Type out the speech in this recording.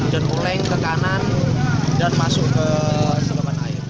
dan uleng ke kanan dan masuk ke selapan air